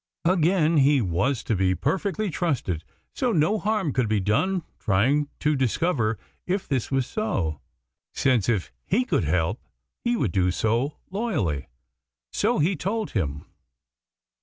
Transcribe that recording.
Again, he was to be perfectly trusted, so no harm could be done trying to discover if this was so, since if he could help he would do so loyally. So he told him.